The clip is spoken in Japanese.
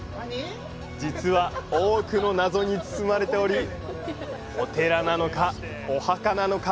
実は多くの謎に包まれておりお寺なのかお墓なのか？